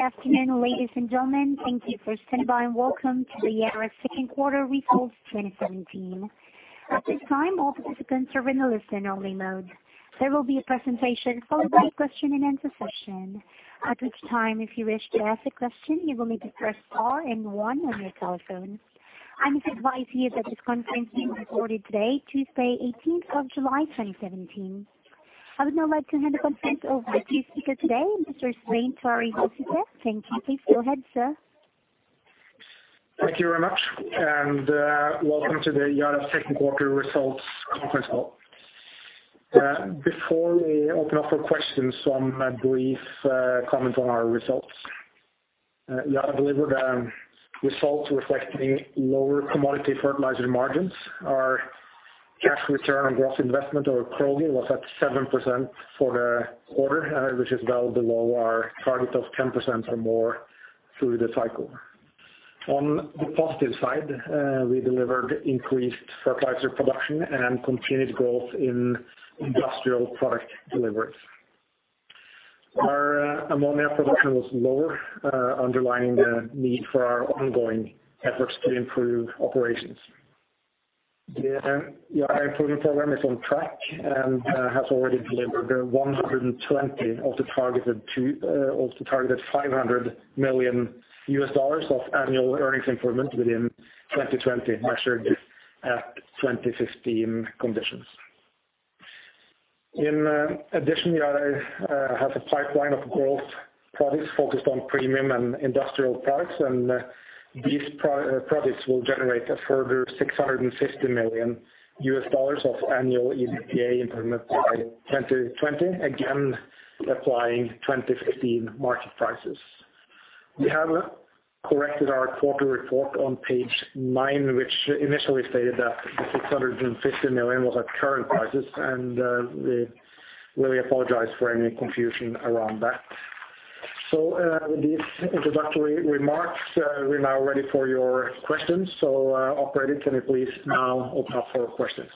Good afternoon, ladies and gentlemen. Thank you for standing by, and welcome to the Yara Second Quarter Results 2017. At this time, all participants are in a listen-only mode. There will be a presentation followed by a question-and-answer session. At which time, if you wish to ask a question, you will need to press star and one on your telephone. I must advise you that this conference is recorded today, Tuesday, 18th of July 2017. I would now like to hand the conference over to speaker today, Mr. Svein Tore Holsether. Thank you. Please go ahead, sir. Thank you very much, welcome to the Yara Second Quarter Results conference call. Before we open up for questions, some brief comments on our results. Yara delivered results reflecting lower commodity fertilizer margins. Our cash return on gross investment, or CROGI, was at 7% for the quarter, which is well below our target of 10% or more through the cycle. On the positive side, we delivered increased fertilizer production and continued growth in industrial product deliveries. Our ammonia production was lower, underlying the need for our ongoing efforts to improve operations. The Yara improvement program is on track and has already delivered 120 of the targeted $500 million of annual earnings improvement within 2020, measured at 2015 conditions. In addition, Yara has a pipeline of growth products focused on premium and industrial products, these products will generate a further $650 million of annual EBITDA improvement by 2020, again, applying 2015 market prices. We have corrected our quarterly report on page nine, which initially stated that the $650 million was at current prices, and we apologize for any confusion around that. With these introductory remarks, we are now ready for your questions. Operator, can you please now open up for questions?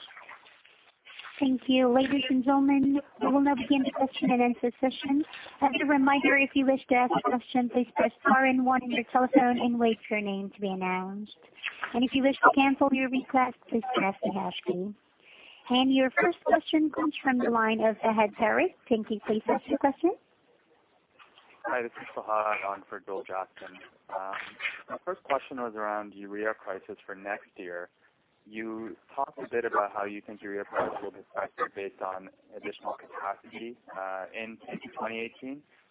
Thank you. Ladies and gentlemen, we will now begin the question-and-answer session. As a reminder, if you wish to ask a question, please press star and one on your telephone and wait for your name to be announced. If you wish to cancel your request, please press the hash key. Your first question comes from the line of Fahad Tariq. Thank you. Please ask your question. Hi, this is Fahad on for Joel Jacobsen. My first question was around urea prices for next year. You talked a bit about how you think urea prices will be affected based on additional capacity into 2018.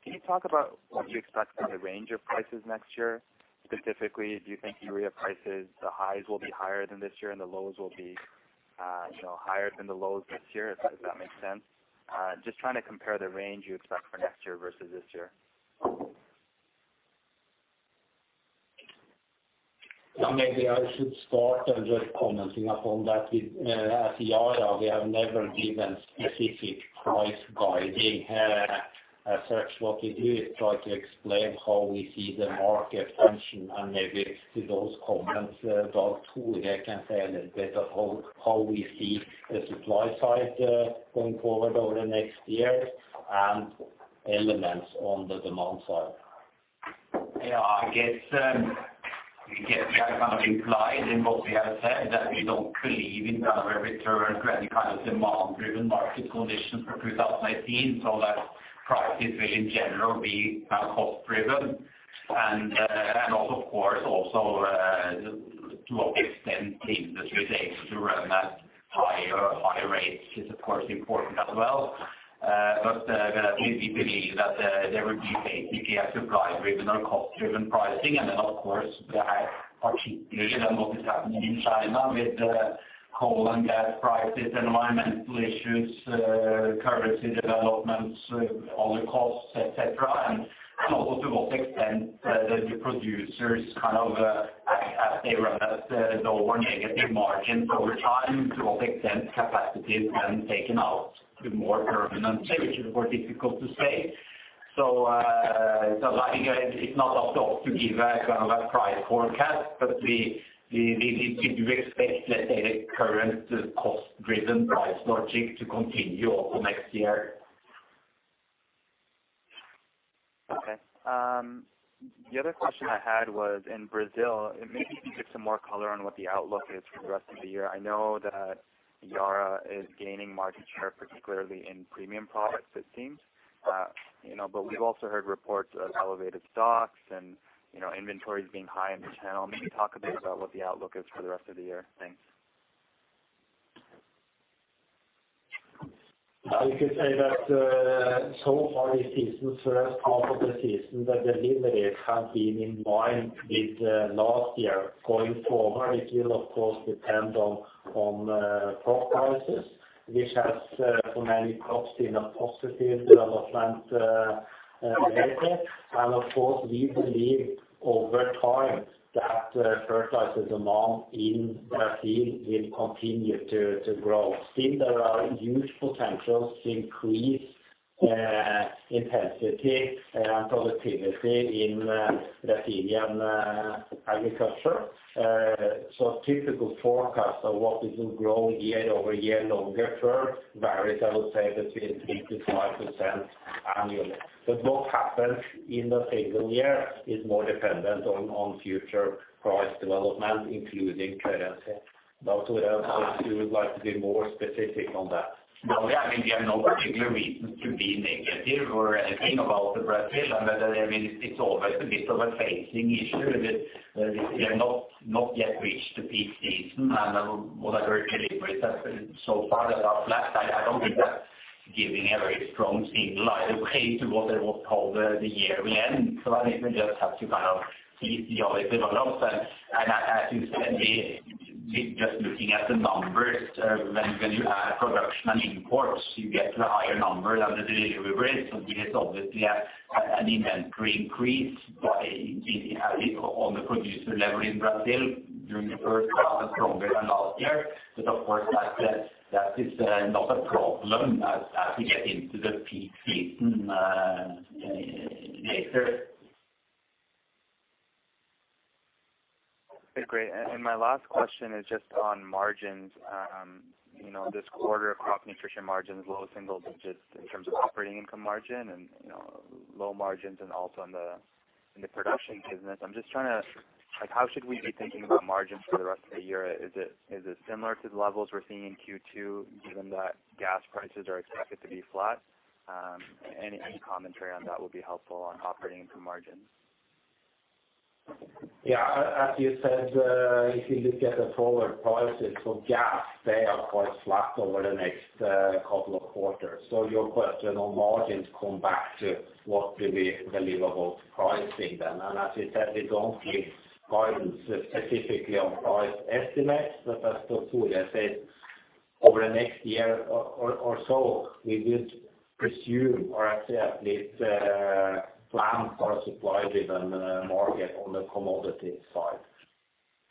Can you talk about what you expect for the range of prices next year? Specifically, do you think urea prices, the highs will be higher than this year and the lows will be higher than the lows this year? Does that make sense? Just trying to compare the range you expect for next year versus this year. Maybe I should start and just commenting upon that. At Yara, we have never given specific price guiding. As such, what we do is try to explain how we see the market function and maybe to those comments, Thor, I can say a little bit of how we see the supply side going forward over the next year and elements on the demand side. Yeah, I guess we have implied in what we have said that we don't believe in a return to any kind of demand-driven market condition for 2018, so that prices will in general be kind of cost-driven. Of course, also to what extent the industry is able to run at higher rates is of course important as well. We believe that there will be basically a supply-driven or cost-driven pricing. Then, of course, the hardship usually than what is happening in China with coal and gas prices, environmental issues, currency developments, all the costs, et cetera. Also to what extent the producers, as they run at lower negative margins over time, to what extent capacity is then taken out to more permanent, which is more difficult to say. It's not up to us to give a price forecast, but we do expect, let's say, the current cost-driven price logic to continue also next year. Okay. The other question I had was, in Brazil, maybe if you could give some more color on what the outlook is for the rest of the year. I know that Yara is gaining market share, particularly in premium products, it seems. We've also heard reports of elevated stocks and inventories being high in the channel. Maybe talk a bit about what the outlook is for the rest of the year. Thanks. I could say that so far this season, first half of the season, the deliveries have been in line with last year. Going forward, it will of course depend on crop prices, which has for many crops been a positive development lately. Of course, we believe over time that fertilizer demand in Brazil will continue to grow. Still, there are huge potentials to increase intensity and productivity in Brazilian agriculture. Typical forecast of what we will grow year-over-year longer term varies, I would say, between 3%-5% annually. What happens in a single year is more dependent on future price development, including currency. We would like to be more specific on that. No. Yeah. We have no particular reason to be negative or anything about Brazil. It's always a bit of a phasing issue with, we have not yet reached the peak season, and what I've heard deliveries so far are flat. I don't think that's giving a very strong signal either way to what it will hold the year we end. I think we just have to see how it develops. I think, certainly, just looking at the numbers, when you add production and imports, you get to a higher number than the deliveries, because obviously an inventory increase by, on the producer level in Brazil during the first half is stronger than last year. Of course, that is not a problem as we get into the peak season later. Okay, great. My last question is just on margins. This quarter, crop nutrition margins, low singles just in terms of operating income margin and low margins and also in the production business. How should we be thinking about margins for the rest of the year? Is it similar to the levels we're seeing in Q2, given that gas prices are expected to be flat? Any commentary on that would be helpful on operating income margins. Yeah. As you said, if you look at the forward prices for gas, they are quite flat over the next couple of quarters. Your question on margins come back to what do we believe about pricing then? As we said, we don't give guidance specifically on price estimates. As to fully assess over the next year or so, we would presume or actually at least plan for a supply-driven market on the commodity side.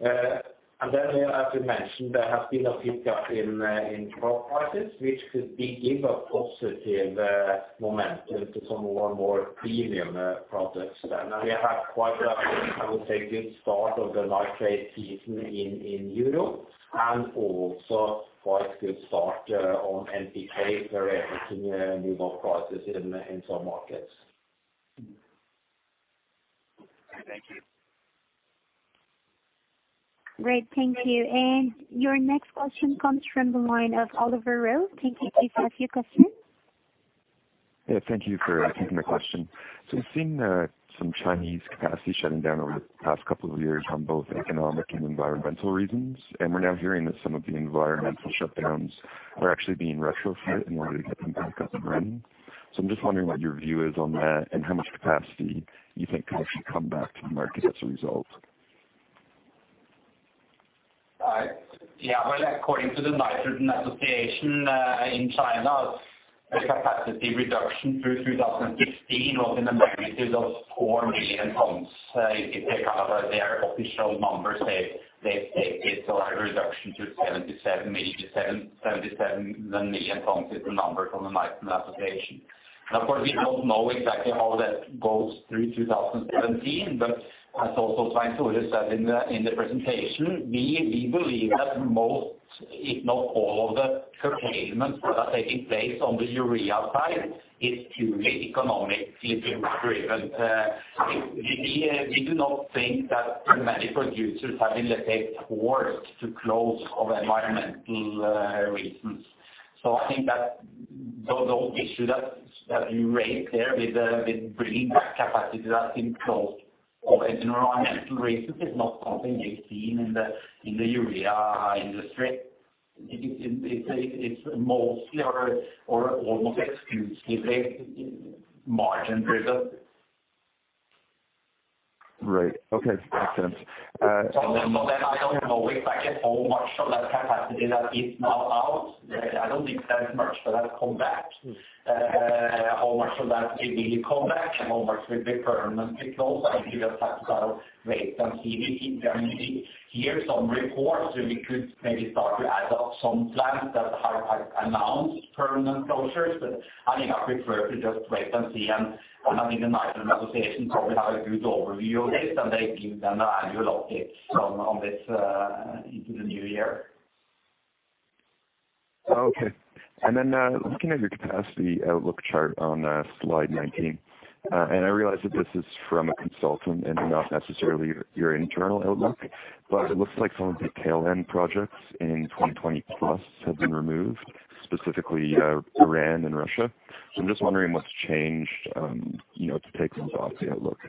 Then, as we mentioned, there has been a pickup in crop prices, which could give a positive momentum to some of our more premium products then. We have quite a, I would say, good start of the nitrate season in Europe and also quite good start on NPK, where we continue to move up prices in some markets. Thank you. Great. Thank you. Your next question comes from the line of Oliver Rowe. Thank you. You can ask your question. Yeah, thank you for taking my question. We've seen some Chinese capacity shutting down over the past couple of years on both economic and environmental reasons, and we're now hearing that some of the environmental shutdowns are actually being retrofit in order to get them back up and running. I'm just wondering what your view is on that and how much capacity you think could actually come back to the market as a result. Yeah. Well, according to the Nitrogen Association, in China, the capacity reduction through 2015 was in the magnitude of four million tons. If they cover their official numbers, they've said it's a reduction to 77 million tons, is the number from the Nitrogen Association. We don't know exactly how that goes through 2017. As also trying to understand in the presentation, we believe that most, if not all of the curtailments that are taking place on the urea side is purely economically driven. We do not think that many producers have been, let's say, forced to close of environmental reasons. I think that the issue that you raised there with bringing back capacity that's been closed for environmental reasons is not something we've seen in the urea industry. It's mostly or almost exclusively margin driven. Right. Okay, excellent. I don't know exactly how much of that capacity that is now out. I don't think there's much that has come back. How much of that will really come back and how much will be permanently closed, I think you'll just have to kind of wait and see. We only hear some reports and we could maybe start to add up some plants that have announced permanent closures. I think I prefer to just wait and see. I think the Nitrogen Association probably have a good overview of this, and they give an annual update on this into the new year. Okay. Looking at your capacity outlook chart on slide 19. I realize that this is from a consultant and not necessarily your internal outlook, but it looks like some of the tail end projects in 2020 plus have been removed, specifically Iran and Russia. I'm just wondering what's changed to take them off the outlook.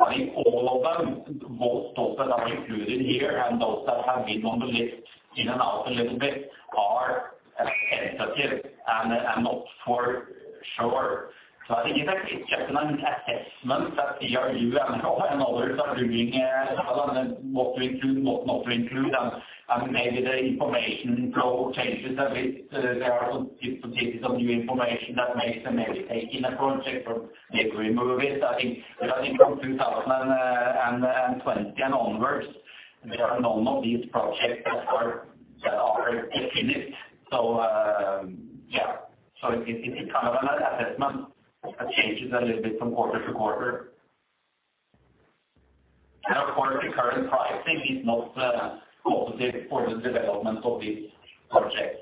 I think all of them, both those that are included here and those that have been on the list in and out a little bit are tentative and not for sure. I think it's just an assessment that we or you and others are doing on what to include, what not to include. Maybe the information flow changes a bit. There are some pieces of new information that makes them maybe take in a project or maybe remove it. I think from 2020 and onwards, there are none of these projects that are definite. It's kind of an assessment that changes a little bit from quarter to quarter. Of course, the current pricing is not positive for the development of these projects.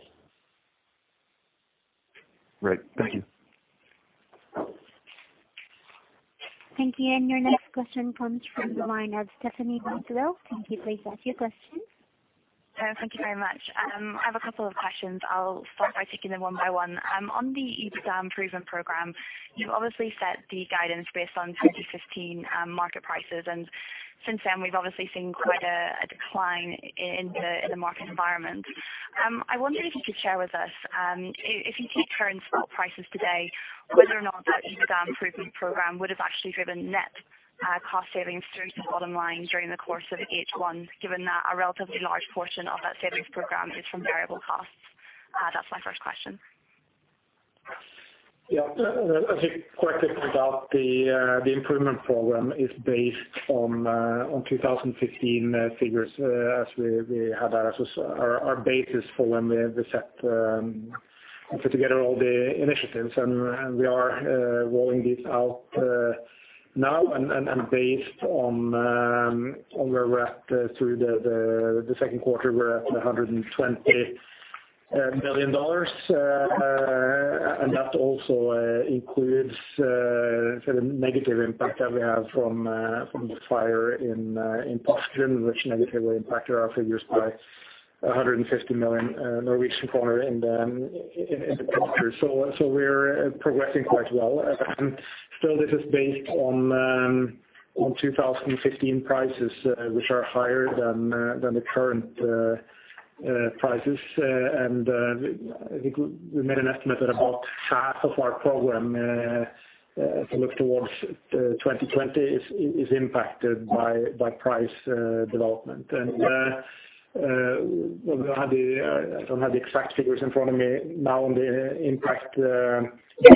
Right. Thank you. Thank you. Your next question comes from the line of Stephanie Lazarou. Can you please ask your question? Thank you very much. I have a couple of questions. I'll start by taking them one by one. On the EPS Improvement Program, you've obviously set the guidance based on 2015 market prices, and since then, we've obviously seen quite a decline in the market environment. I wonder if you could share with us, if you take current spot prices today, whether or not that EPS Improvement Program would have actually driven net cost savings through to the bottom line during the course of H1, given that a relatively large portion of that savings program is from variable costs. That's my first question. Yeah. As you correctly point out, the Improvement Program is based on 2015 figures as we have as our basis for when we put together all the initiatives. We are rolling these out now and based on where we're at through the second quarter, we're at NOK 120 million. That also includes the negative impact that we have from the fire in Porsgrunn, which negatively impacted our figures by 150 million Norwegian kroner in the quarter. We're progressing quite well. Still, this is based on 2015 prices, which are higher than the current prices. I think we made an estimate that about half of our program, if we look towards 2020, is impacted by price development. I don't have the exact figures in front of me now on the impact to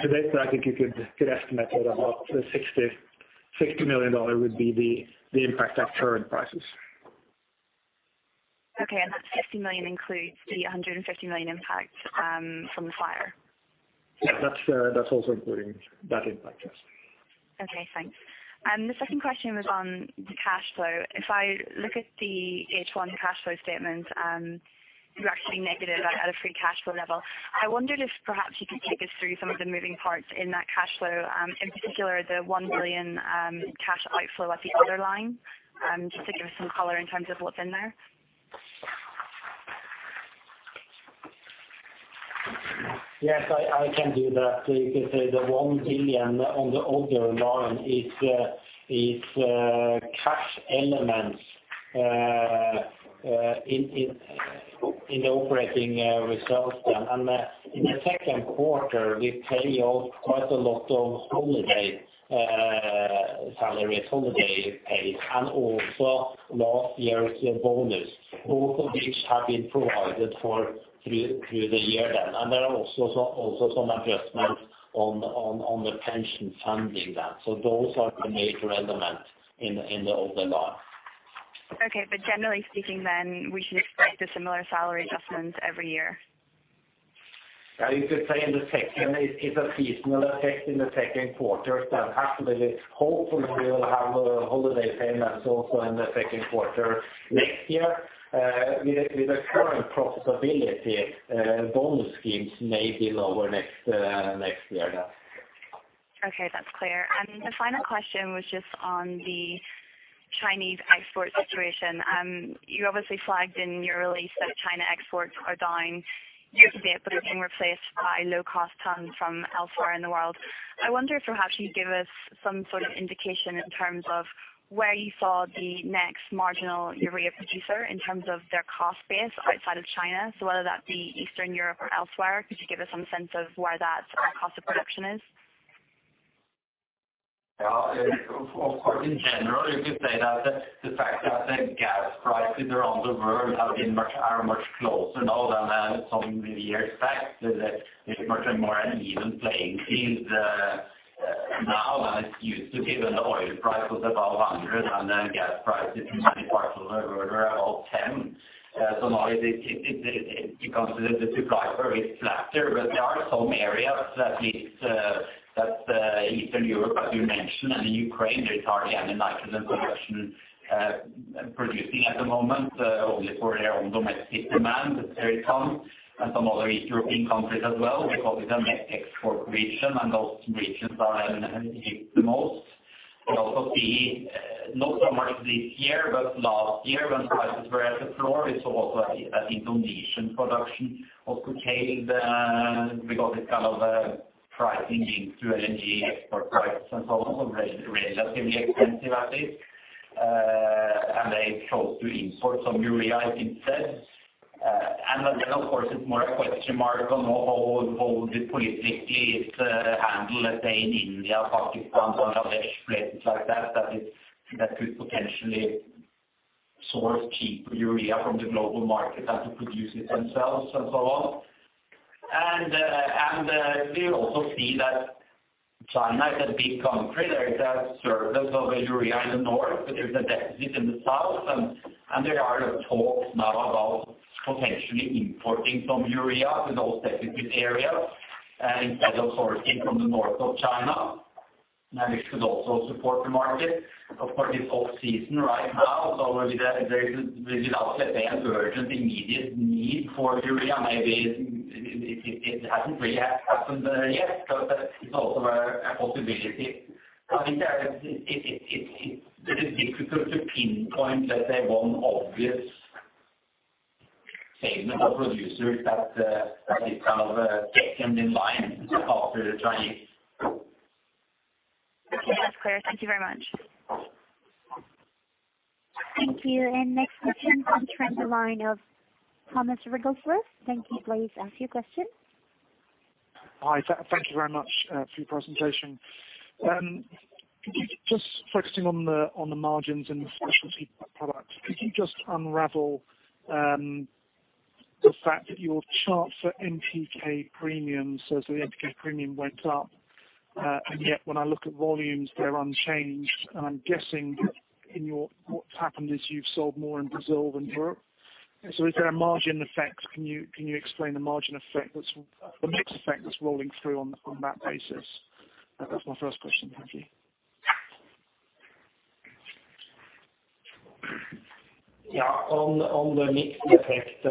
date, but I think you could estimate that about NOK 60 million would be the impact at current prices. Okay. That 60 million includes the 150 million impact from the fire? Yeah. That's also including that impact, yes. Okay, thanks. The second question was on the cash flow. If I look at the H1 cash flow statement, you're actually negative at a free cash flow level. I wondered if perhaps you could take us through some of the moving parts in that cash flow, in particular, the 1 billion cash outflow at the other line, just to give us some color in terms of what's in there. Yes, I can do that. You could say the 1 billion on the other line is cash elements in the operating results. In the second quarter, we pay out quite a lot of holiday salaries, holiday pay, and also last year's bonus, both of which have been provided for through the year. There are also some adjustments on the pension funding then. Those are the major elements in the other line. Okay. Generally speaking, we should expect a similar salary adjustment every year? You could say it's a seasonal effect in the second quarter. Hopefully, we will have holiday payments also in the second quarter next year. With the current profitability, bonus schemes may be lower next year. Okay, that's clear. The final question was just on the Chinese export situation. You obviously flagged in your release that China exports are down year-to-date, but are being replaced by low-cost tonne from elsewhere in the world. I wonder if perhaps you'd give us some sort of indication in terms of where you saw the next marginal urea producer in terms of their cost base outside of China, so whether that be Eastern Europe or elsewhere. Could you give us some sense of where that cost of production is? In general, you could say that the fact that the gas prices around the world are much closer now than some years back, it's much more an even playing field now than it used to be when the oil price was above 100 and then gas prices in many parts of the world were above 10. Now the supply curve is flatter, there are some areas that's Eastern Europe, as you mentioned, and Ukraine, there is hardly any nitrogen production, producing at the moment, only for their own domestic demand. There it comes. Some other European countries as well, because it's an export region, those regions are hit the most. We also see, not so much this year, last year when prices were at the floor, we saw that Indonesian production also came because it's kind of pricing through LNG export price and so on. Relatively expensive at it. They chose to import some urea instead. Of course, it's more a question mark on how would it politically is handled, let's say, in India, Pakistan, Bangladesh, places like that could potentially source cheaper urea from the global market than to produce it themselves and so on. We also see that China is a big country. There is a surplus of urea in the north, there's a deficit in the south. There are talks now about potentially importing some urea to those deficit areas instead of sourcing from the north of China. This could also support the market. Of course, it's off-season right now, so there is without, let's say, an urgent, immediate need for urea. Maybe it hasn't really happened there yet, but it's also a possibility. It is difficult to pinpoint, let's say, one obvious segment or producer that is our second in line after the Chinese. Okay. That's clear. Thank you very much. Thank you. Next we turn on the line of Thomas Rygelsford. Thank you. Please ask your question. Hi, thank you very much for your presentation. Just focusing on the margins and the specialty products, could you just unravel the fact that your charts for NPK premiums, so the NPK premium went up, yet when I look at volumes, they're unchanged. I'm guessing what's happened is you've sold more in Brazil than Europe. Is there a margin effect? Can you explain the margin effect, the mix effect that's rolling through on that basis? That was my first question. Thank you. On the mix effect,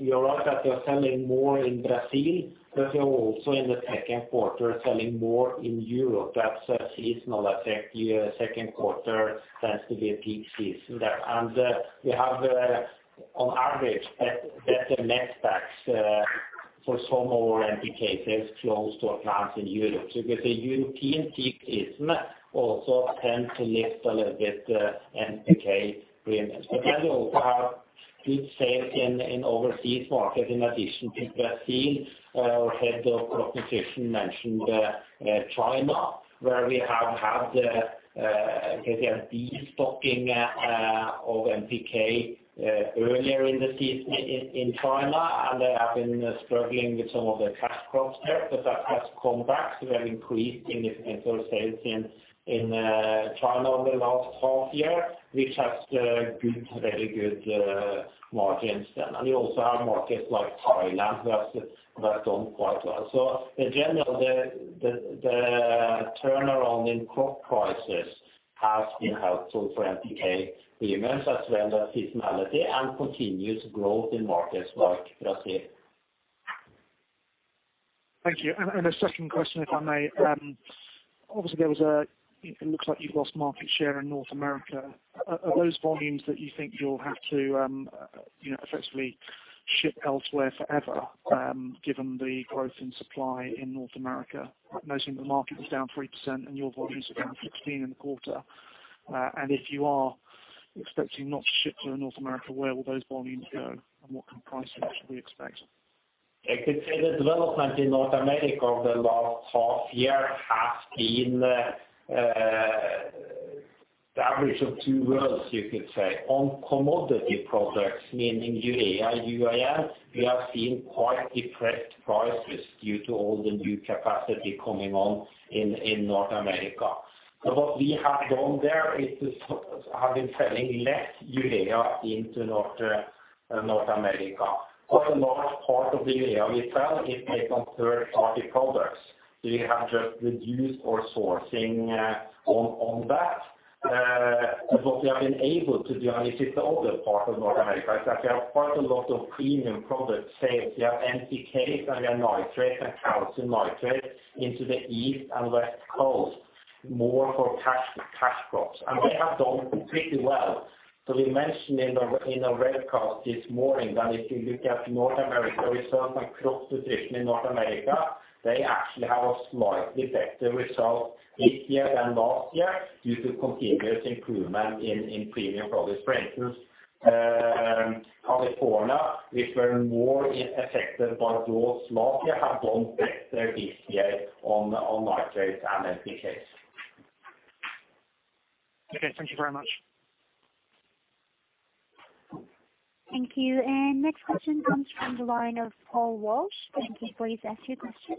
you're right that we are selling more in Brazil, we are also in the second quarter selling more in Europe. That's a seasonal effect. Second quarter tends to be a peak season there. We have, on average, better net backs for some of our NPK sales flows to our plants in Europe. You could say European peak season also tends to lift a little bit the NPK premiums. We also have good sales in overseas markets in addition to Brazil. Our Head of Proposition mentioned China, where we have had a destocking of NPK earlier in the season in China, and they have been struggling with some of the cash crops there. That has come back, we have increased significant sales in China over the last half year, which has very good margins there. We also have markets like Thailand that have done quite well. In general, the turnaround in crop prices has been helpful for NPK premiums as well as seasonality and continuous growth in markets like Brazil. A second question, if I may. Obviously, it looks like you've lost market share in North America. Are those volumes that you think you'll have to effectively ship elsewhere forever, given the growth in supply in North America, noting the market was down 3% and your volumes are down 16% in the quarter? If you are expecting not to ship to North America, where will those volumes go, and what kind of pricing should we expect? I could say the development in North America over the last half year has been the average of two worlds, you could say. On commodity products, meaning urea, UAN, we have seen quite depressed prices due to all the new capacity coming on in North America. What we have done there is have been selling less urea into North America. Also, the last part of the urea we sell is based on third-party products. We have just reduced our sourcing on that. What we have been able to do, and this is the other part of North America, is that we have quite a lot of premium product sales. We have NPK, and we have nitrate and calcium nitrate into the East and West Coast, more for cash crops. They have done pretty well. We mentioned in our webcast this morning that if you look at North America results and crop position in North America, they actually have a slightly better result this year than last year due to continuous improvement in premium products. For instance, California, which were more affected by drought last year, have done better this year on nitrates and NPKs. Thank you very much. Thank you. Next question comes from the line of Paul Walsh. Thank you. Please ask your question.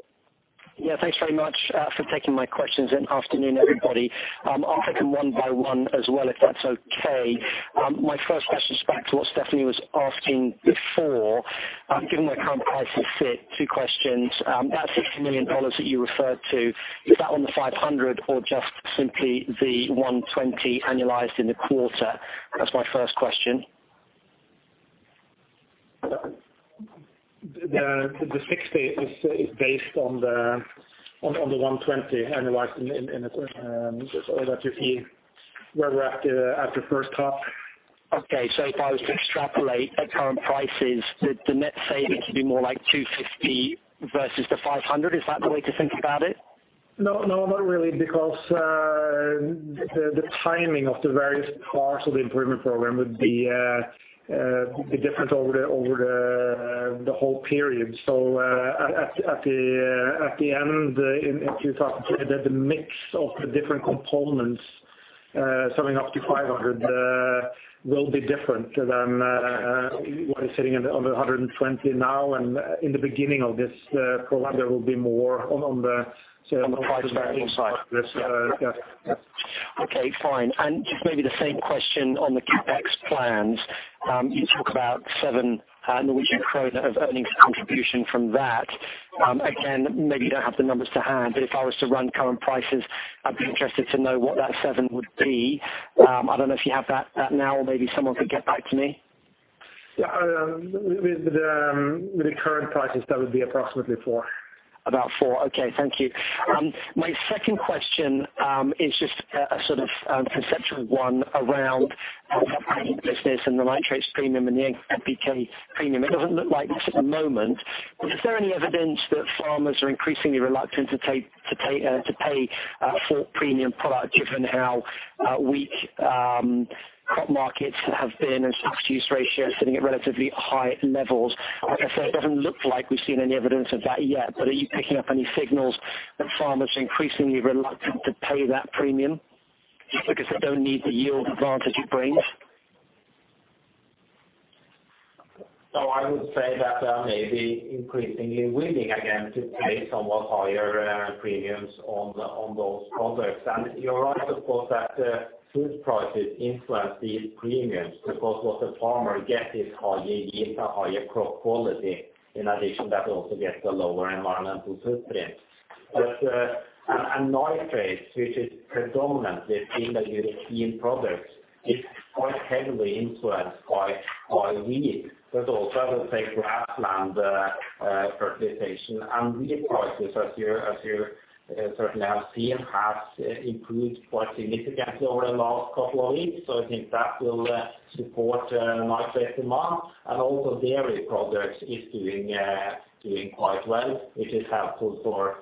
Yeah, thanks very much for taking my questions, and afternoon, everybody. I'll take them one by one as well, if that's okay. My first question is back to what Stephanie was asking before. Given the current prices sit, two questions. That $60 million that you referred to, is that on the $500 or just simply the $120 annualized in the quarter? That's my first question. The $60 is based on the $120 annualized in the quarter. That would be where we're at the first half. Okay. If I was to extrapolate at current prices, the net saving should be more like $250 versus the $500. Is that the way to think about it? No, not really, because the timing of the various parts of the improvement program would be different over the whole period. At the end, if you talk to the mix of the different components, summing up to $500 million, will be different than what is sitting on $120 million now. In the beginning of this program, there will be more on the- On the price side yes. Okay, fine. Just maybe the same question on the CapEx plans. You talk about 700 million Norwegian kroner of earnings contribution from that. Again, maybe you don't have the numbers to hand, but if I was to run current prices, I'd be interested to know what that 7 would be. I don't know if you have that now, or maybe someone could get back to me. With the current prices, that would be approximately 4. About four. Okay, thank you. My second question is just a sort of conceptual one around the business and the nitrates premium and the NPK premium. It doesn't look like this at the moment, but is there any evidence that farmers are increasingly reluctant to pay for premium product given how weak crop markets have been and stock-to-use ratio is sitting at relatively high levels? Like I say, it doesn't look like we've seen any evidence of that yet, but are you picking up any signals that farmers are increasingly reluctant to pay that premium just because they don't need the yield advantage it brings? I would say that they are maybe increasingly willing again to pay somewhat higher premiums on those products. You're right, of course, that food prices influence these premiums, because what the farmer gets is higher yields and higher crop quality. In addition, that also gets a lower environmental footprint. Nitrates, which is predominantly a European product, is quite heavily influenced by wheat, but also, let's say, grassland fertilization and wheat prices, as you certainly have seen, have improved quite significantly over the last couple of weeks. I think that will support nitrate demand. Also dairy products is doing quite well, which is helpful for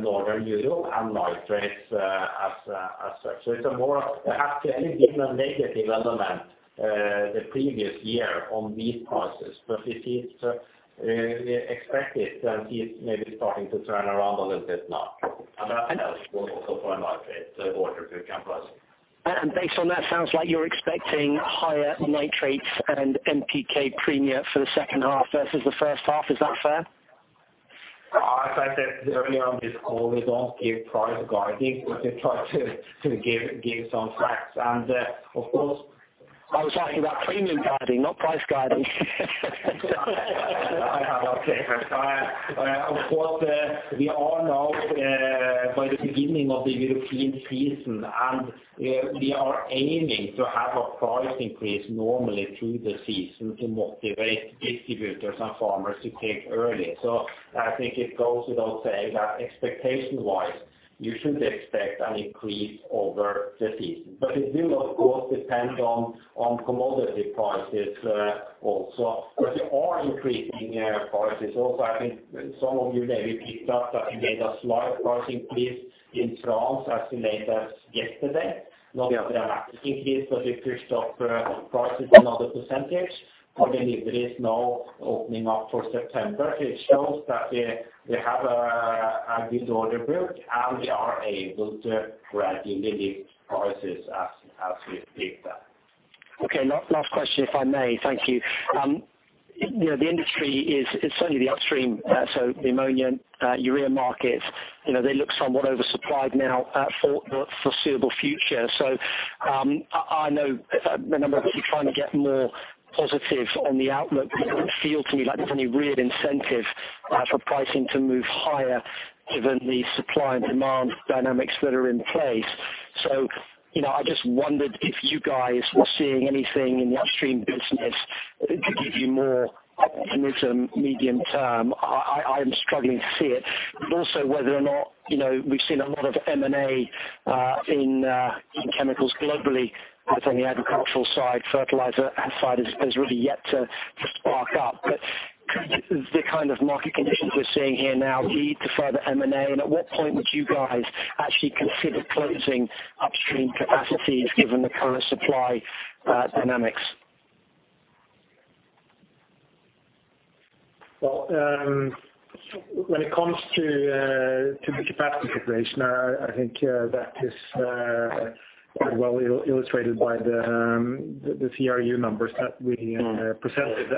Northern Europe and nitrates as such. It's a more Actually, given a negative element the previous year on wheat prices, but it is expected and is maybe starting to turn around a little bit now. That helps also for nitrate order book and pricing. Based on that, sounds like you're expecting higher nitrates and NPK premia for the second half versus the first half. Is that fair? I said that earlier on this call, we don't give price guiding. We just try to give some facts. I was asking about premium guiding, not price guiding. Okay. Of course, we are now by the beginning of the European season. We are aiming to have a price increase normally through the season to motivate distributors and farmers to take early. I think it goes without saying that expectation-wise, you should expect an increase over the season. It will of course depend on commodity prices also. They are increasing prices also. I think some of you maybe picked up that we made a slight price increase in France, as we made that yesterday. Yeah. Not a dramatic increase. We pushed up prices another % on delivery is now opening up for September. It shows that we have a good order book. We are able to gradually lift prices as we speak there. Okay. Last question, if I may. Thank you. The industry is certainly the upstream, so the ammonia urea market, they look somewhat oversupplied now for the foreseeable future. I know a number of you trying to get more positive on the outlook, but it doesn't feel to me like there's any real incentive for pricing to move higher given the supply and demand dynamics that are in place. I just wondered if you guys were seeing anything in the upstream business that could give you more optimism medium term. I'm struggling to see it. Also whether or not, we've seen a lot of M&A in chemicals globally, but on the agricultural side, fertilizer side has really yet to spark up. Could the kind of market conditions we're seeing here now lead to further M&A? At what point would you guys actually consider closing upstream capacities given the current supply dynamics? Well, when it comes to the capacity situation, I think that is quite well illustrated by the CRU numbers that we presented.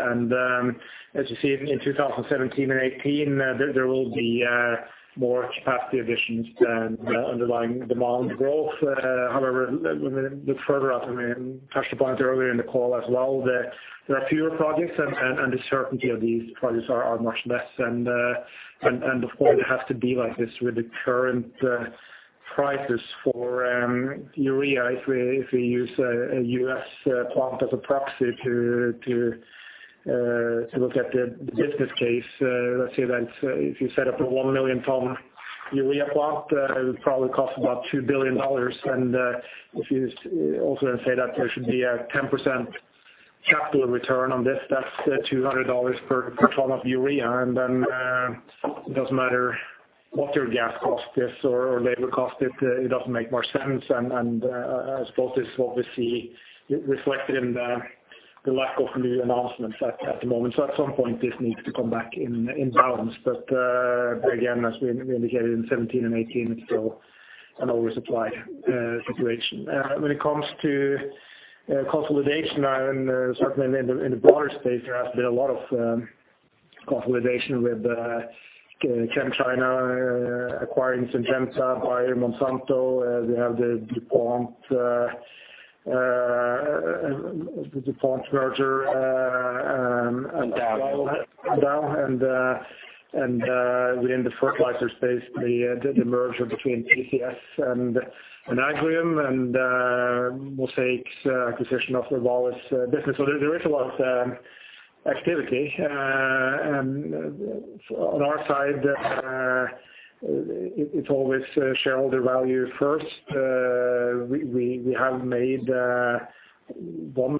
As you see in 2017 and 2018, there will be more capacity additions than underlying demand growth. However, when we look further out, I mean, touched upon it earlier in the call as well, there are fewer projects, and the certainty of these projects are much less. Of course, it has to be like this with the current prices for urea. If we use a U.S. plant as a proxy to look at the business case, let's say that if you set up a 1 million ton urea plant, it would probably cost about $2 billion. If you also then say that there should be a 10% capital return on this, that's $200 per ton of urea. Then it doesn't matter what your gas cost is or labor cost, it doesn't make more sense. I suppose this is obviously reflected in the lack of new announcements at the moment. At some point, this needs to come back in balance. Again, as we indicated in 2017 and 2018, it's still an oversupply situation. When it comes to consolidation, and certainly in the broader space, there has been a lot of consolidation with ChemChina acquiring Syngenta, Bayer, Monsanto. We have the DuPont merger- Dow Dow. Within the fertilizers space, the merger between PCS and Agrium, and Mosaic's acquisition of the Vale's business. There is a lot activity. On our side, it's always shareholder value first. We have made one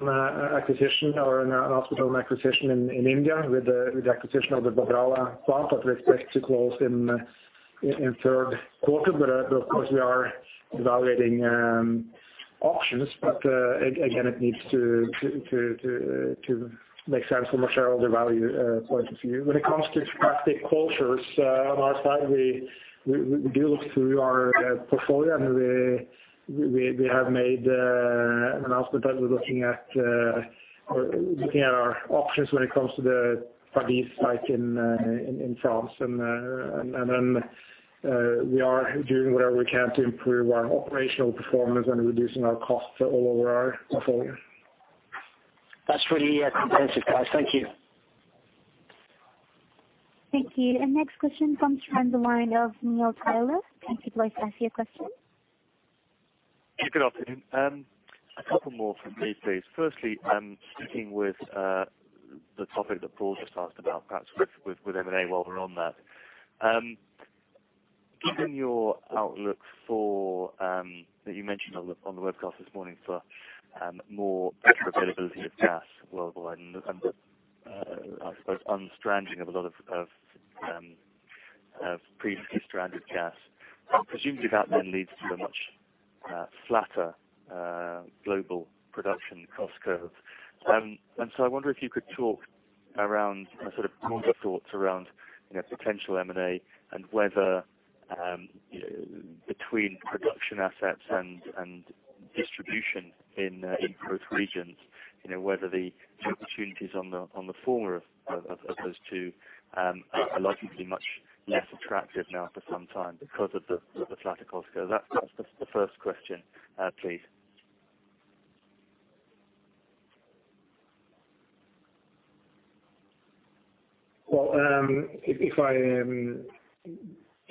acquisition, or an announcement of an acquisition in India with the acquisition of the Babrala plant that we expect to close in third quarter. Of course we are evaluating options, but again, it needs to make sense from a shareholder value point of view. When it comes to drastic closures, on our side, we do look through our portfolio, and we have made an announcement that we're looking at our options when it comes to the Factoty site in France. We are doing whatever we can to improve our operational performance and reducing our costs all over our portfolio. That's really comprehensive, guys. Thank you. Thank you. Next question comes from the line of Neil Taylor. Thank you. To ask your question. Good afternoon. A couple more from me, please. Firstly, sticking with the topic that Paul just asked about, perhaps with M&A while we're on that. Given your outlook that you mentioned on the webcast this morning for more better availability of gas worldwide and the, I suppose, unstranding of a lot of previously stranded gas. Presumably that then leads to a much flatter global production cost curve. I wonder if you could talk around sort of your thoughts around potential M&A and whether between production assets and distribution in growth regions, whether the opportunities on the former of those two are likely to be much less attractive now for some time because of the flatter cost curve. That's the first question, please.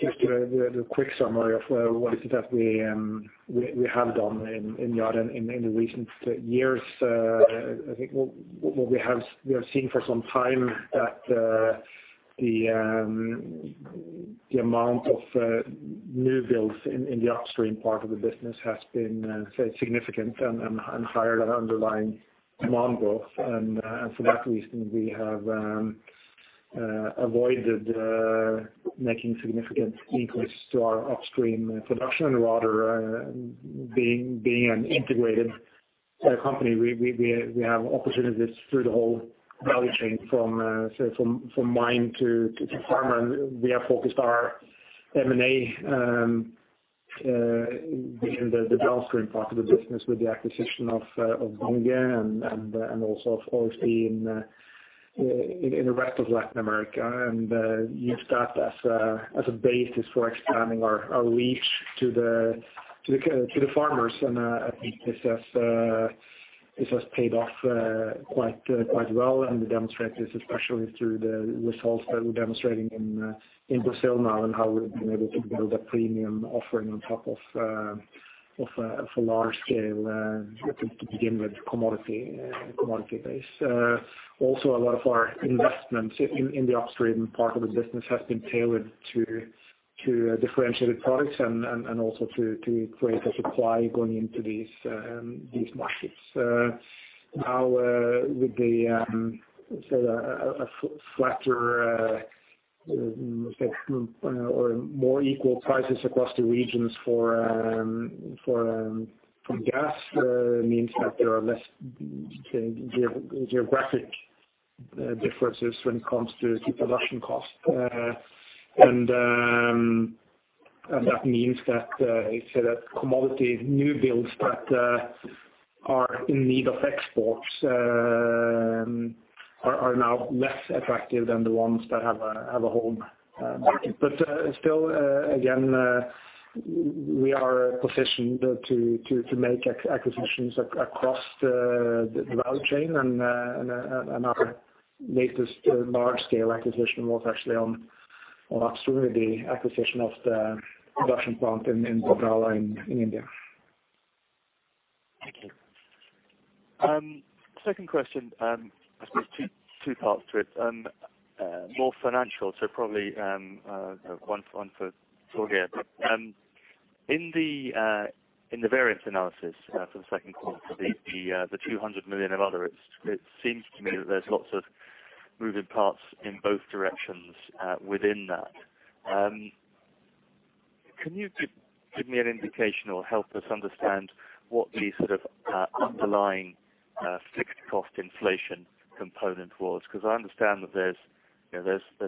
If I give the quick summary of what is it that we have done in Yara in the recent years. I think what we have seen for some time that the amount of new builds in the upstream part of the business has been significant and higher than underlying demand growth. For that reason, we have avoided making significant incurs to our upstream production. Rather, being an integrated company, we have opportunities through the whole value chain from mine to farmer. We have focused our M&A within the downstream part of the business with the acquisition of Bunge and also of OCP in the rest of Latin America, and used that as a basis for expanding our reach to the farmers. I think this has paid off quite well and demonstrated especially through the results that we're demonstrating in Brazil now, and how we've been able to build a premium offering on top of a large scale, to begin with, commodity base. Also, a lot of our investments in the upstream part of the business has been tailored to differentiated products and also to create a supply going into these markets. Now, with the, say, a flatter or more equal prices across the regions for gas means that there are less geographic differences when it comes to production cost. That means that commodity new builds that are in need of exports are now less attractive than the ones that have a home market. Still, again, we are positioned to make acquisitions across the value chain. Our latest large-scale acquisition was actually on upstream, the acquisition of the production plant in Babrala in India. Thank you. Second question. There's two parts to it. More financial, so probably one for Thor here. In the variance analysis for the second quarter, the 200 million of other, it seems to me that there's lots of moving parts in both directions within that. Can you give me an indication or help us understand what the underlying fixed cost inflation component was? Because I understand that there's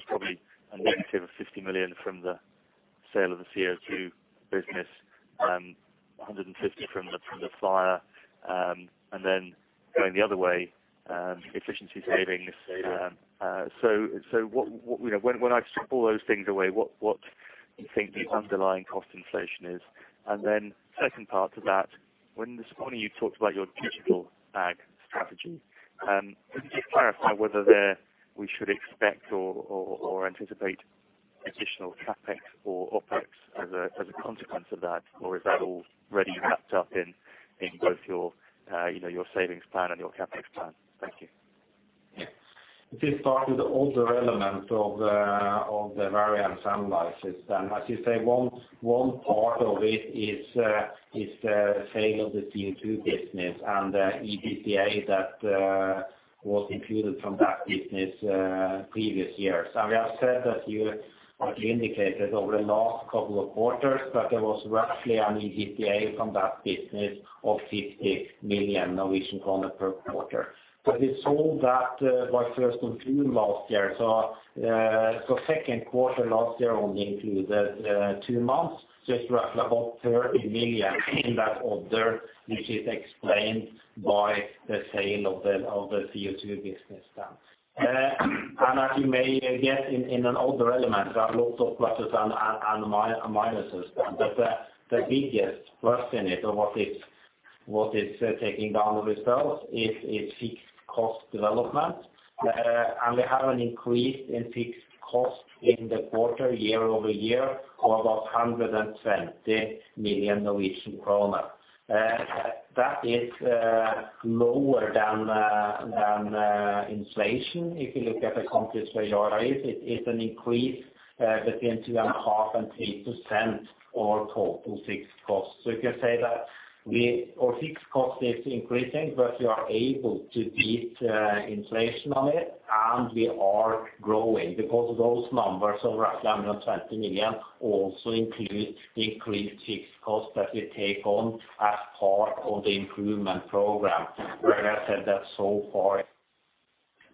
probably a negative of 50 million from the sale of the CO2 business, 150 million from the fire, and then going the other way, efficiency savings. When I strip all those things away, what do you think the underlying cost inflation is? Then second part to that, this morning you talked about your Digital Ag strategy. Can you clarify whether we should expect or anticipate additional CapEx or OpEx as a consequence of that? Is that already wrapped up in both your savings plan and your CapEx plan? Thank you. Yes. To start with the other element of the variance analysis, as you say, one part of it is the sale of the CO2 business and the EBITDA that was included from that business previous years. We have said, as you indicated, over the last couple of quarters, that there was roughly an EBITDA from that business of 50 million Norwegian kroner per quarter. We sold that first of June last year. Second quarter last year only included two months, just roughly about 30 million in that order, which is explained by the sale of the CO2 business then. As you may get in an older element, there are lots of pluses and minuses. The biggest plus in it, or what is taking down the results is fixed cost development. We have an increase in fixed cost in the quarter year-over-year of about NOK 120 million. That is lower than inflation. If you look at the complex way Yara is, it is an increase between 2.5%-3% or total fixed costs. You can say that our fixed cost is increasing, but we are able to beat inflation on it, and we are growing because those numbers of roughly 120 million also include the increased fixed cost that we take on as part of the improvement program. Where I said that so far,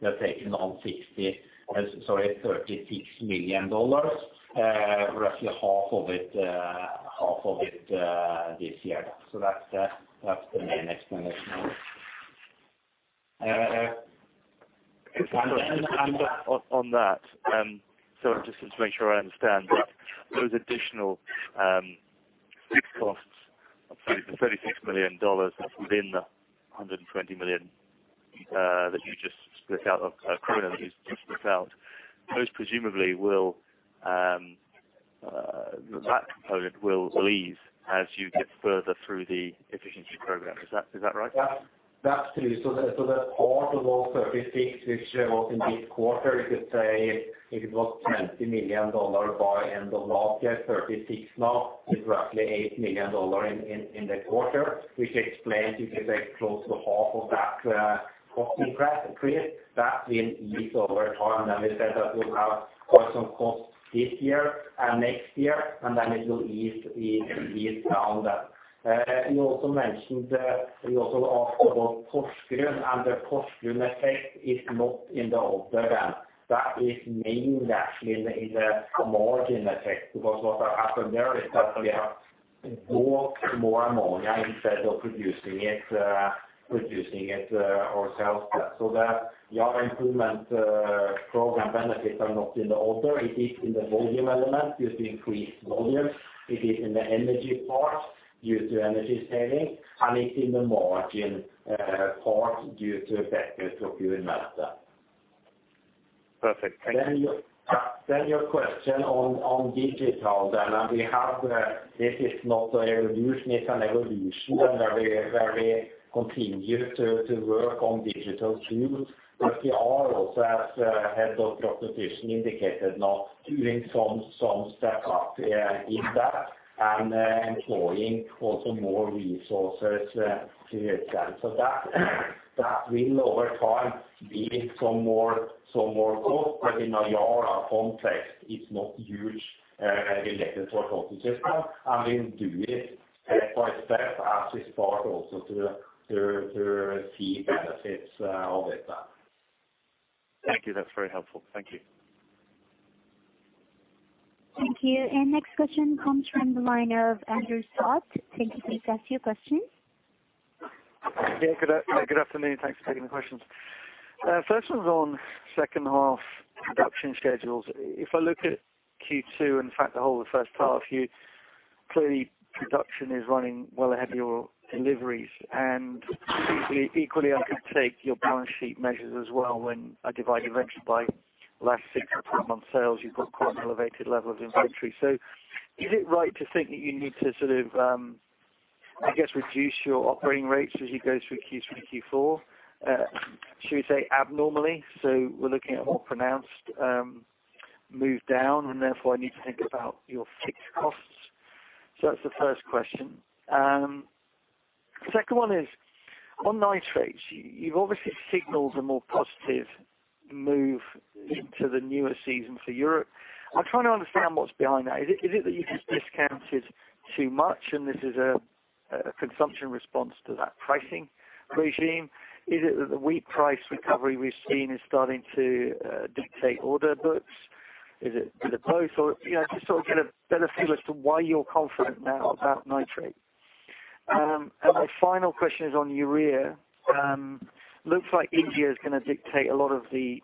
we have taken on NOK 36 million, roughly half of it this year. That's the main explanation. On that, just to make sure I understand. Those additional fixed costs of NOK 36 million are within the 120 million that you just split out of kroner, which you just split out. That component will leave as you get further through the efficiency program. Is that right? That's true. That part of all 36, which was in this quarter, you could say it was NOK 20 million, by end of last year, 36 now, is roughly NOK 8 million in the quarter. Explains, you could say close to half of that cost increase. That will ease over time. We said that we'll have some costs this year and next year, and then it will ease down. You also asked about Porsgrunn. The Porsgrunn effect is not in the order. That is mainly actually in the margin effect, because what happened there is that we have bought more ammonia instead of producing it ourselves. The Yara improvement program benefits are not in the order. It is in the volume element due to increased volume. It is in the energy part due to energy saving, and it's in the margin part due to a better procurement mix. Perfect. Thank you. Your question on digital. This is not a revolution. It's an evolution where we continue to work on digital tools. We are also, as Head of Proposition indicated, now doing some step up in that and employing also more resources to it. That will over time need some more cost. In a Yara context, it's not huge relative to our cost of goods sold, and we'll do it step by step as we start also to see benefits of it. Thank you. That's very helpful. Thank you. Thank you. Next question comes from the line of Andrew Stott. Thank you. Please ask your question. Good afternoon. Thanks for taking the questions. First one's on second half production schedules. If I look at Q2, in fact, the whole of the first half, clearly production is running well ahead of your deliveries. Equally, I could take your balance sheet measures as well when I divide inventory by last six or 12 months sales, you've got quite an elevated level of inventory. Is it right to think that you need to sort of reduce your operating rates as you go through Q3, Q4. Should we say abnormally? We're looking at a more pronounced move down, and therefore I need to think about your fixed costs. That's the first question. Second one is on nitrates. You've obviously signaled a more positive move into the newer season for Europe. I'm trying to understand what's behind that. Is it that you just discounted too much and this is a consumption response to that pricing regime? Is it that the wheat price recovery we've seen is starting to dictate order books? Is it both? Just sort of get a better feel as to why you're confident now about nitrate. My final question is on urea. Looks like India is going to dictate a lot of the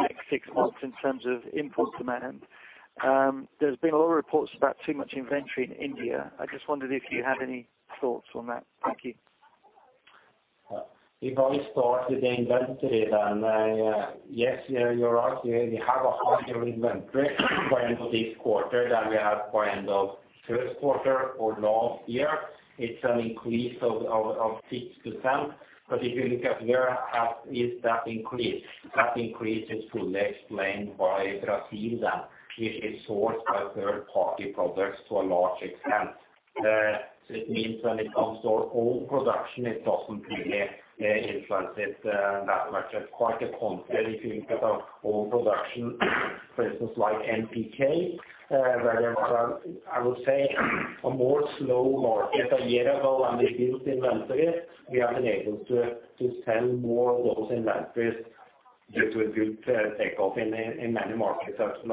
next six months in terms of import demand. There's been a lot of reports about too much inventory in India. I just wondered if you had any thoughts on that. Thank you. If I start with the inventory, then yes, you're right. We have a higher inventory by end of this quarter than we had by end of first quarter or last year. It's an increase of 6%. If you look at where is that increase, that increase is fully explained by Brazil, which is sourced by third-party products to a large extent. It means when it comes to our own production, it doesn't really influence it that much. It's quite the contrary if you look at our own production, places like NPK, where I would say a more slow market a year ago than we built inventories. We have been able to sell more of those inventories due to a good take-off in many markets as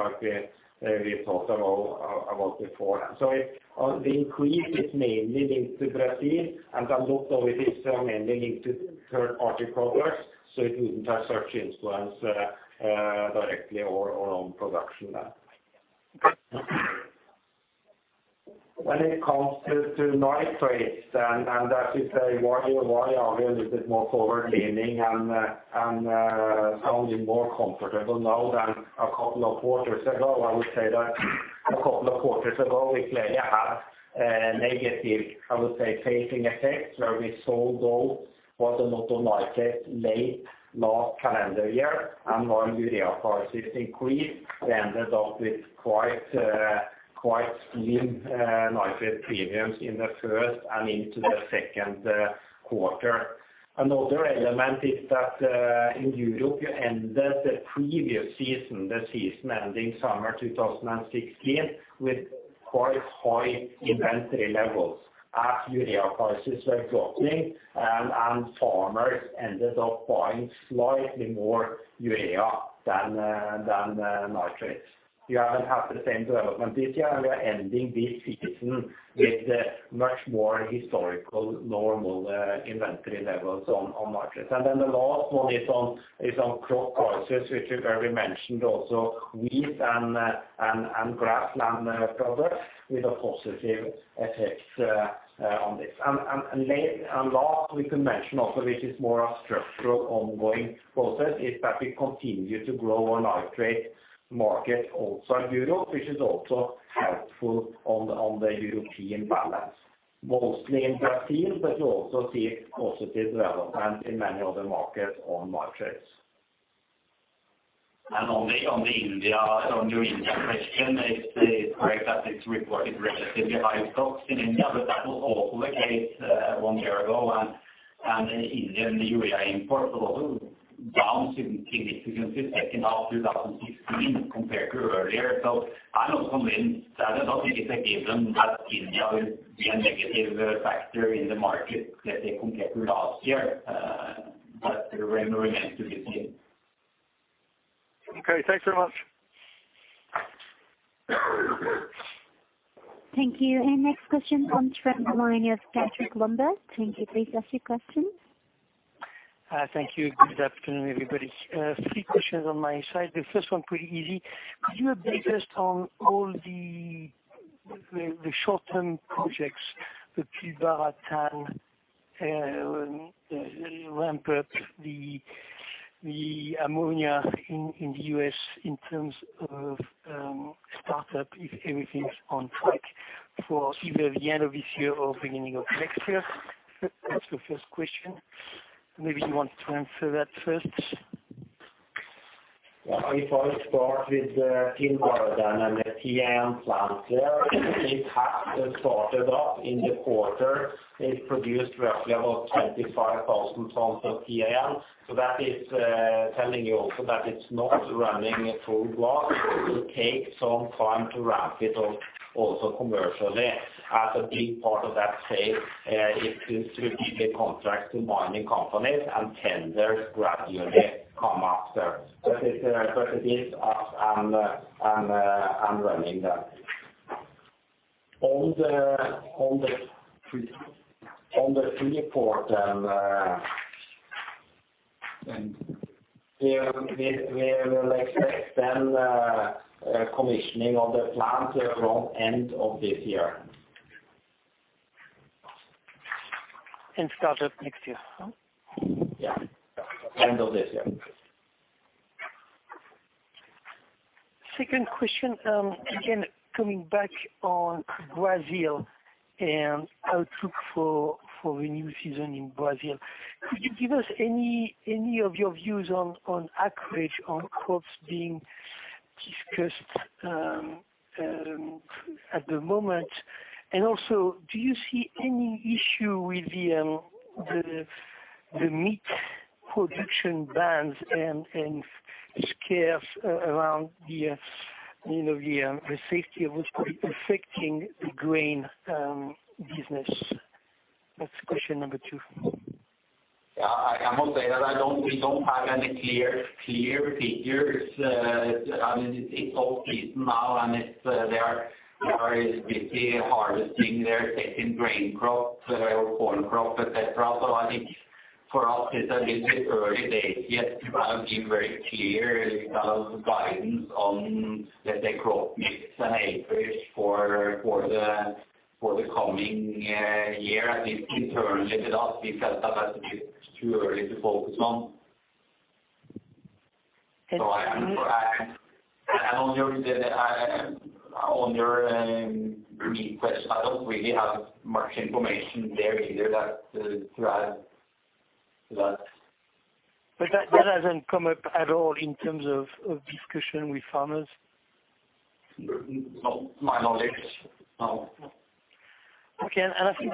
we talked about before. The increase is mainly linked to Brazil, and a lot of it is mainly linked to third-party products. It wouldn't have such influence directly on our own production there. When it comes to nitrates, and as you say, why are we a little bit more forward-leaning and sounding more comfortable now than a couple of quarters ago? I would say that a couple of quarters ago, we clearly had a negative, I would say, facing effect where we sold those autumn-winter nitrates late last calendar year. When urea prices increased, we ended up with quite slim nitrate premiums in the first and into the second quarter. Another element is that in Europe, you ended the previous season, the season ending summer 2016, with quite high inventory levels as urea prices were dropping and farmers ended up buying slightly more urea than nitrates. We haven't had the same development this year. We are ending this season with much more historical normal inventory levels on markets. Then the last one is on crop prices, which we've already mentioned also, wheat and grassland products with a positive effect on this. Last, we could mention also, which is more a structural ongoing process, is that we continue to grow our nitrate market outside Europe, which is also helpful on the European balance, mostly in Brazil, but you also see positive development in many other markets on nitrates. On the India question, it's correct that it's reported relatively high stocks in India, but that was also the case one year ago. Indian urea imports have also gone significantly second half 2016 compared to earlier. I'm not convinced. I don't think it's a given that India will be a negative factor in the market, let's say, compared to last year. It remains to be seen. Okay, thanks very much. Thank you. Our next question comes from the line of Patrick Lambert. Thank you. Please ask your questions. Thank you. Good afternoon, everybody. Three questions on my side. The first one pretty easy. Could you update us on all the short-term projects, the Pilbara TAN ramp-up, the ammonia in the U.S. in terms of startup, if everything is on track for either the end of this year or beginning of next year? That's the first question. Maybe you want to answer that first. I start with Pilbara, then, and the TAN plant there, it has started up in the quarter. It produced roughly about 25,000 tons of TAN. That is telling you also that it's not running at full block. It will take some time to ramp it up also commercially as a big part of that sale is through GP contract to mining companies and tenders gradually come after. It is up and running there. On the Freeport, then, we will expect then commissioning of the plant around end of this year. Start up next year? Yeah. End of this year. Second question, again, coming back on Brazil and outlook for the new season in Brazil. Could you give us any of your views on acreage on crops being discussed at the moment? Also, do you see any issue with the meat production bans and scares around the safety of which could be affecting the grain business? That's question number 2. Yeah. I must say that we don't have any clear figures. It's off-season now, and they are busy harvesting. They're taking grain crop or corn crop, et cetera. I think for us it's a little bit early days yet to give very clear guidance on, let's say, crop mix and acreage for the coming year. I think internally to us, we felt that that's a bit too early to focus on. Okay. On your meat question, I don't really have much information there either to add to that. That hasn't come up at all in terms of discussion with farmers? Not to my knowledge, no. Okay. I think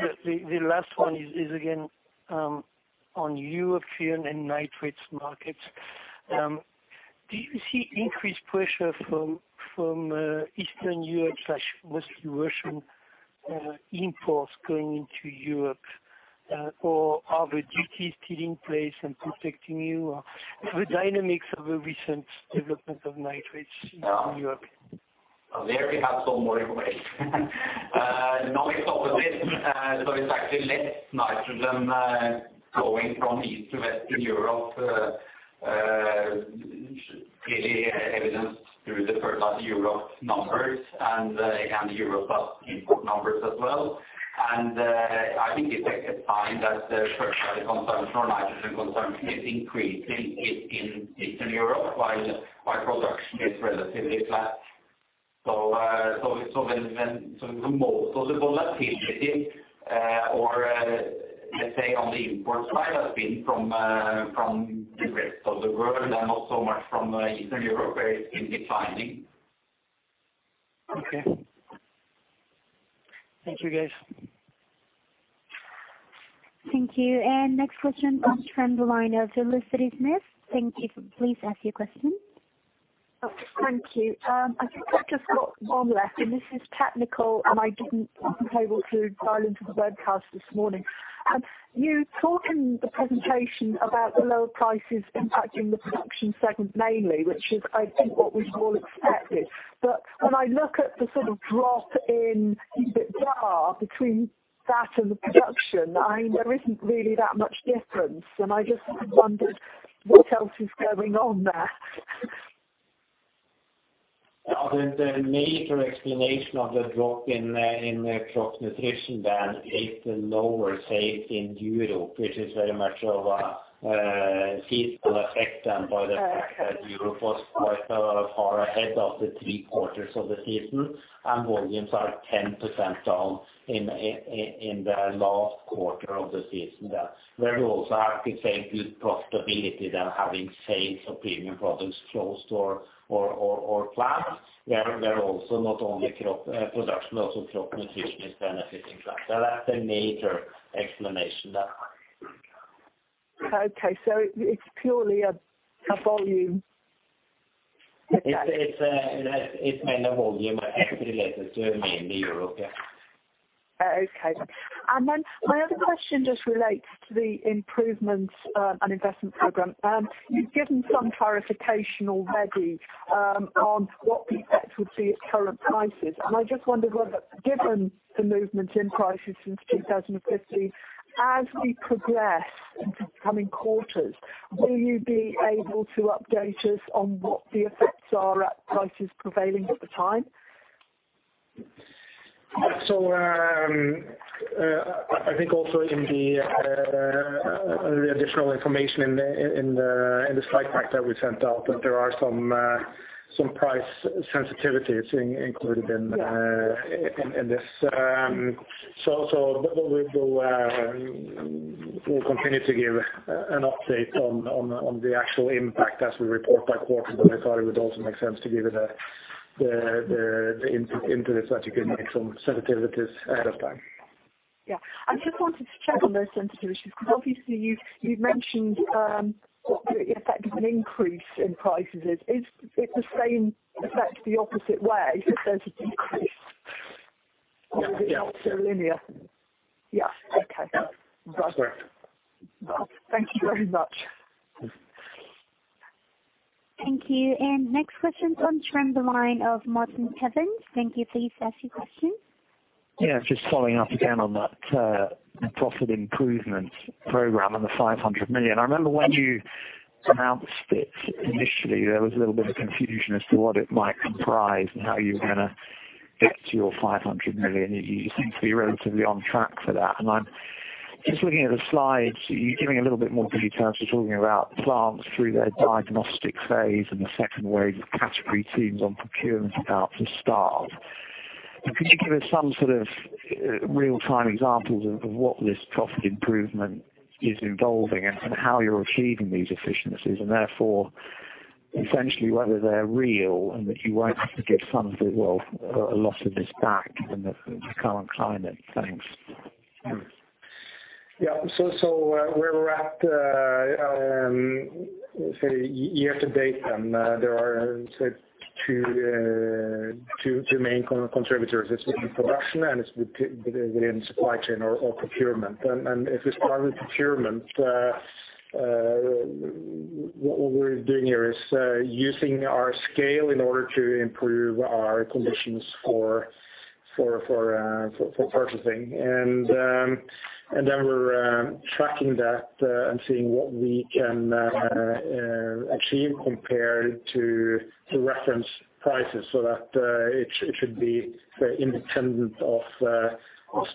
the last one is again on European and nitrate markets. Do you see increased pressure from Eastern Europe/mostly Russian imports going into Europe? Are the duties still in place and protecting you? The dynamics of a recent development of nitrates in Europe. There we have some more information. Not with opposite. It's actually less nitrogen going from East to Western Europe, clearly evidenced through the Fertilizers Europe numbers and the Europe plus import numbers as well. I think you can find that the fertilizer consumption or nitrogen consumption is increasing in Eastern Europe while production is relatively flat. Most of the volatility or, let's say, on the import side, has been from the rest of the world and not so much from Eastern Europe, where it's been declining. Okay. Thank you, guys. Thank you. Next question comes from the line of Lasantha Srihahl. Thank you. Please ask your question. Thank you. I think I've just got one left, this is technical, I didn't listen to dial into the webcast this morning. You talked in the presentation about the lower prices impacting the production segment mainly, which is I think what we'd all expected. When I look at the sort of drop in the bar between that and the production, there isn't really that much difference. I just wondered what else is going on there. The major explanation of the drop in crop nutrition is the lower sales in Europe, which is very much of a seasonal effect by the fact that Europe was quite far ahead of the three quarters of the season, volumes are 10% down in the last quarter of the season. There we also have to take good profitability there, having sales of premium products flow to our plants. They're also not only crop production, also crop nutrition is benefiting from. That's the major explanation there. Okay. It's purely a volume. Okay. It's mainly volume, but actually related to mainly Europe, yeah. Okay. My other question just relates to the improvements and investment program. You've given some clarification already on what the effect would be at current prices. I just wondered whether, given the movement in prices since 2015, as we progress into coming quarters, will you be able to update us on what the effects are at prices prevailing at the time? I think also in the additional information in the slide pack that we sent out, that there are some price sensitivities included in this. We'll continue to give an update on the actual impact as we report by quarter, but I thought it would also make sense to give it the input into this that you can make some sensitivities ahead of time. I just wanted to check on those sensitivities because obviously you've mentioned what the effect of an increase in prices is. Is it the same effect the opposite way, if there's a decrease? Yes. Is it not so linear? Okay. That's correct. Thank you very much. Thank you. Next question comes from the line of Martin Evans. Thank you. Please ask your question. Yeah. Just following up again on that profit improvement program and the $500 million. I remember when you announced it initially, there was a little bit of confusion as to what it might comprise and how you were going to get to your $500 million. Just looking at the slides, you're giving a little bit more details. You're talking about plants through their diagnostic phase and the 2nd wave of category teams on procurement about to start. Could you give us some sort of real-time examples of what this profit improvement is involving and how you're achieving these efficiencies, and therefore, essentially whether they're real and that you won't have to give some of it, well, a lot of this back when you come on climate? Thanks. Yeah. Where we're at, say year-to-date then, there are, say two main contributors. It's within production and it's within supply chain or procurement. If we start with procurement, what we're doing here is using our scale in order to improve our conditions for purchasing. Then we're tracking that and seeing what we can achieve compared to reference prices so that it should be very independent of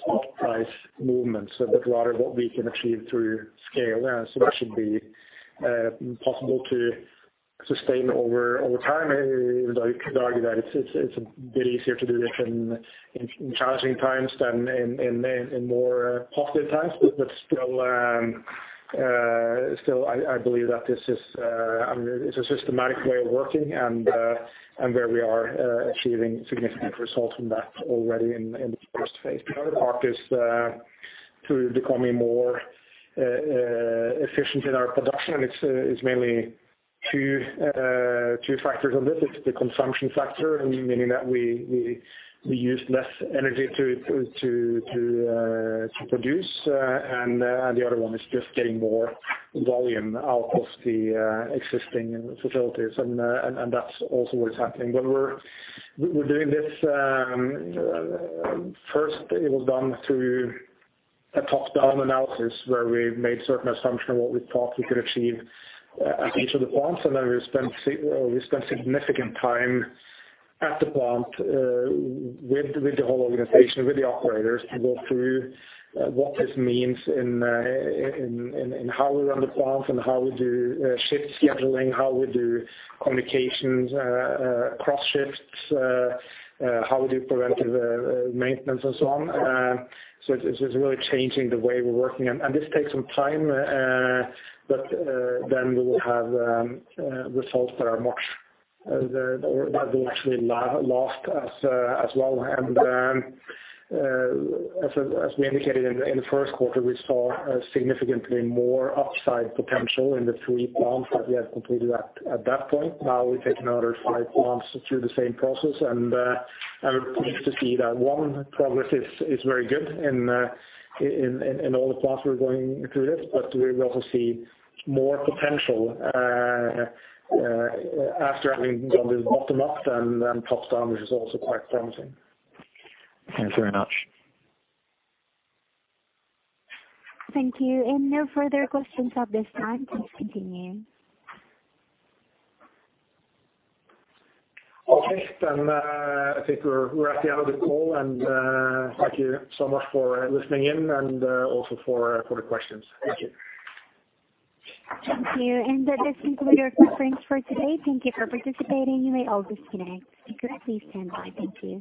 spot price movements, but rather what we can achieve through scale. That should be possible to sustain over time. You could argue that it's a bit easier to do it in challenging times than in more positive times. Still, I believe that this is a systematic way of working, and where we are achieving significant results from that already in the 1st phase. The other part is through becoming more efficient in our production. It's mainly two factors on this. It's the consumption factor, meaning that we use less energy to produce, and the other one is just getting more volume out of the existing facilities, and that's also what is happening. We're doing this First it was done through a top-down analysis where we made certain assumptions of what we thought we could achieve at each of the plants, then we spent significant time at the plant with the whole organization, with the operators, to go through what this means and how we run the plant and how we do shift scheduling, how we do communications across shifts, how we do preventive maintenance and so on. It's really changing the way we're working, and this takes some time, then we will have results that will actually last as well. As we indicated in the first quarter, we saw significantly more upside potential in the three plants that we had completed at that point. Now we've taken another five plants through the same process, and we're pleased to see that one, progress is very good in all the plants we're going through this, we also see more potential after having done this bottom-up than top-down, which is also quite promising. Thanks very much. Thank you. No further questions at this time. Please continue. I think we're at the end of the call, thank you so much for listening in and also for the questions. Thank you. Thank you. This concludes our conference for today. Thank you for participating. You may all disconnect. If you could please stand by. Thank you